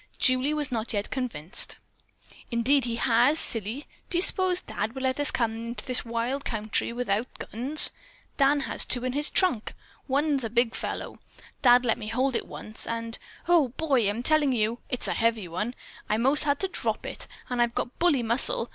Julie was not yet convinced. "Indeed he has, silly. Do you s'pose Dad would let us come into this wild country without guns? Dan has two in his trunk. One's a big fellow! Dad let me hold it once, and, Oh, boy, I'm telling you it's a heavy one. I most had to drop it, and I've got bully muscle.